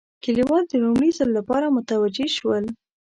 کلیوال د لومړي ځل لپاره متوجه شول.